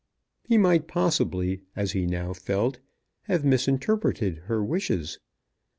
He might possibly, as he now felt, have misinterpreted her wishes.